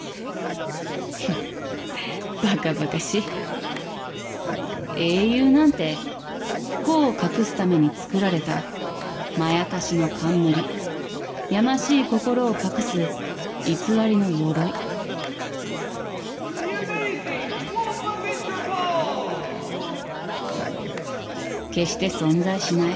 「フッバカバカしい」「英雄なんて不幸を隠すためにつくられたまやかしの冠」「やましい心を隠す偽りのよろい」「決して存在しない。